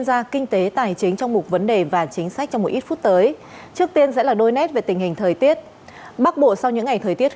xin chào các bạn